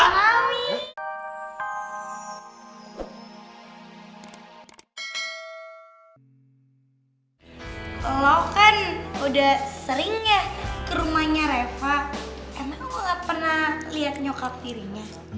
emang lo gak pernah liat nyokap dirinya